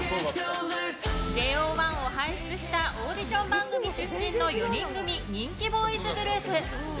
ＪＯ１を輩出したオーディション番組出身の４人組人気ボーイズグループ。